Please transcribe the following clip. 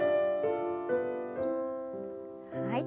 はい。